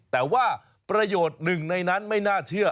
แต่ว่าประโยชน์หนึ่งในนั้นไม่น่าเชื่อ